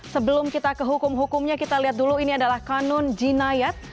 sebelum kita ke hukum hukumnya kita lihat dulu ini adalah kanun jinayat